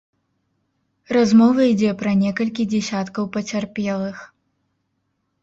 Размова ідзе пра некалькі дзясяткаў пацярпелых.